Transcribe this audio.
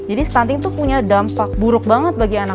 jadi stunting tuh punya dampak buruk banget bagi anak anak